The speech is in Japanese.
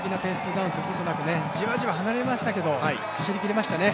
ダウンすることなく、じわじわ離れましたけど、走りきりましたね。